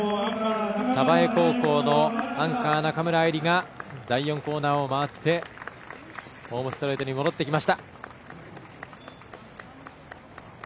鯖江高校のアンカー中村愛莉が第４コーナーを回ってホームストレートに戻ってきました。